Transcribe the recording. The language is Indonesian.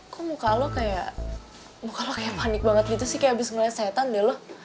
kok muka lo kayak muka lo kayak panik banget gitu sih kayak abis melihat setan deh lo